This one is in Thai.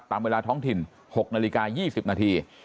ตามเวลาท้องถิ่น๖นาฬิกา๒๐นาที